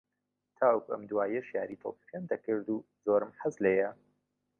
تاوەکو ئەم دواییەش یاری تۆپی پێم دەکرد و زۆرم حەز لێییە